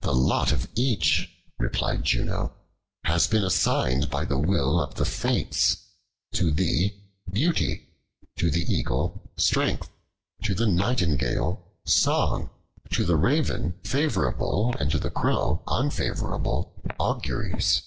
"The lot of each," replied Juno, "has been assigned by the will of the Fates to thee, beauty; to the eagle, strength; to the nightingale, song; to the raven, favorable, and to the crow, unfavorable auguries.